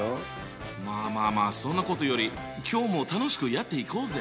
まあまあまあそんなことより今日も楽しくやっていこうぜ！